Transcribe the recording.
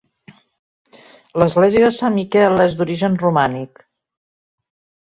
L'església de Sant Miquel és d'origen romànic.